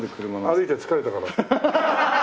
歩いて疲れたから。